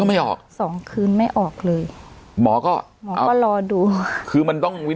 ไม่ออกสองคืนไม่ออกเลย